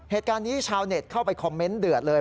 เหตุการณ์นี้ชาวเน็ตเข้าไปคอมเมนต์เดือดเลย